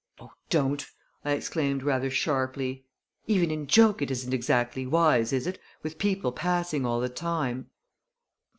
"Oh, don't!" I exclaimed rather sharply. "Even in joke it isn't exactly wise, is it, with people passing all the time?"